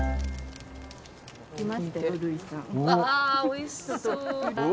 わあおいしそうだ。